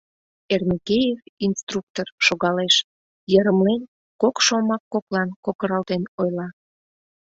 Эрмекеев, инструктор, шогалеш, йырымлен, кок шомак коклан кокыралтен ойла: